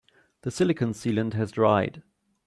The silicon sealant has dried.